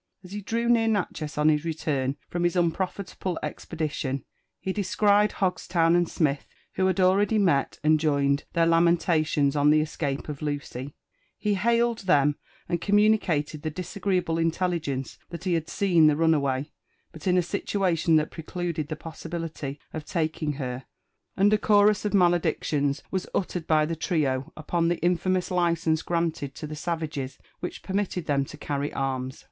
As he drew near Natchez on his return from his unprofitable ex * .pedition, he descried Hogstown and Smith, wlio had already met aod joined their lamentations on the escape of Lucy, lie hailed them, and communicated the disagreeable intelligence that he had seen the runaway, but in a situalion that precluded the possibility of taking her ; and a chorus*of maledictions was uttered by the trio upon the infamous license granted to the savages which permitted them to carry arms.